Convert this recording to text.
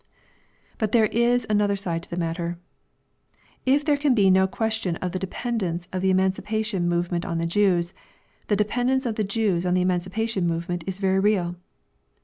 But there is another side to this matter. If there can be no question of the dependence of the emancipation movement on the Jews, the dependence of the Jews on the emancipatory movement is very real.